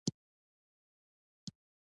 جلګه د افغانستان د سیلګرۍ برخه ده.